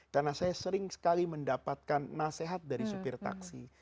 karena saya sering sekali mendapatkan nasihat dari supir taksi